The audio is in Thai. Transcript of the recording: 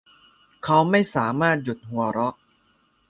เขาไม่สามารถหยุดหัวเราะ